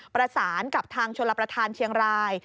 ประสานกับทางชลประธานเชียงราย